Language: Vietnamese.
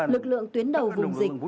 lực lượng tuyến đầu vùng dịch